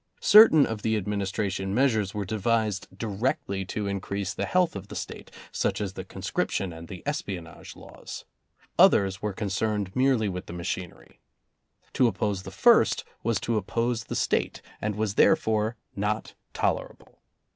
Certain of the Administration measures were devised directly to increase the health of the State, such as the Conscription and the Espionage laws. Others were concerned merely with the machinery. To oppose the first was to oppose the State and was therefore not tolerable.